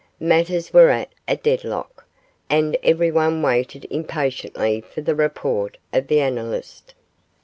Matters were at a deadlock, and everyone waited impatiently for the report of the analyst.